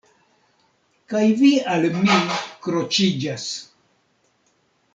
Kaj vi al mi kroĉiĝas.